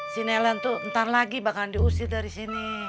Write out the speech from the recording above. si nelan tuh ntar lagi bakalan diusir dari sini